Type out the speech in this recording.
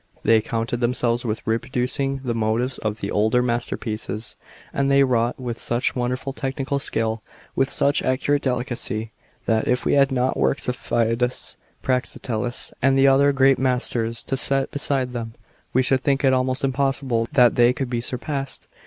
They contented themselves with reproducing the motives of the older masterpieces; and they wrought with such wonderful technical skill, with such accurate delicacy, that, if we had not works of Phidias, Praxiteles, and the other great masters to set beside them, we should think it almost impossible that they could be surpassed.